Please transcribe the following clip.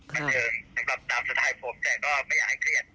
ก็มาเจอกับสไทข์ผมแต่ไม่อยากให้เครียด